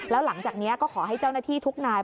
แล้วหลังจากนี้ก็ขอให้เจ้าหน้าที่ทุกนาย